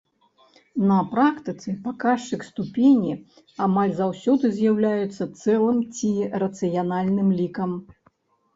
На практыцы паказчык ступені амаль заўсёды з'яўляецца цэлым ці рацыянальным лікам.